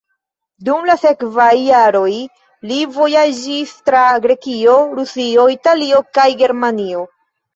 Dum la sekvaj jaroj li vojaĝis tra Grekio, Rusio, Italio kaj Germanio.